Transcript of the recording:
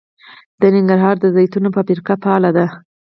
د ننګرهار د زیتون فابریکه فعاله ده.